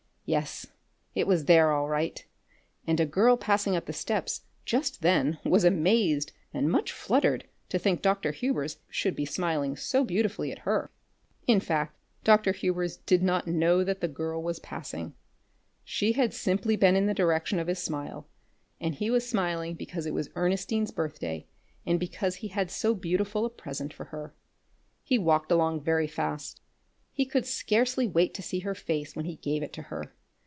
Yes, it was there all right, and a girl passing up the steps just then was amazed and much fluttered to think Dr. Hubers should be smiling so beautifully at her. In fact, Dr. Hubers did not know that the girl was passing. She had simply been in the direction of his smile; and he was smiling because it was Ernestine's birthday, and because he had so beautiful a present for her. He walked along very fast. He could scarcely wait to see her face when he gave it to her.